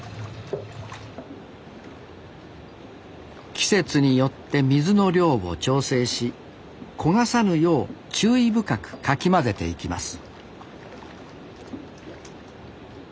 季節によって水の量を調整し焦がさぬよう注意深くかき混ぜていきます